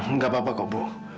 enggak apa apa kok bu